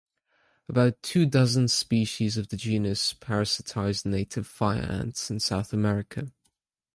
About two dozen species of the genus parasitize native fire ants in South America.